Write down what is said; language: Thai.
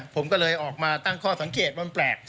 ผมก็เลยออกมาตั้งข้อสังเกตว่ามันแปลก